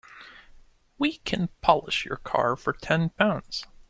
We can polish your car for ten pounds.